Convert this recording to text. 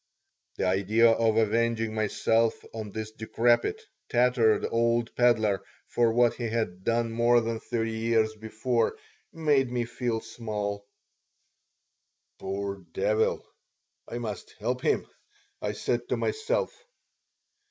The idea of avenging myself on this decrepit, tattered old peddler for what he had done more than thirty years before made me feel small. "Poor devil! I must help him," I said to myself.